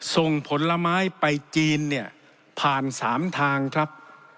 ส่งผลไม้ไปจีนเนี่ยผ่าน๓ทางครับ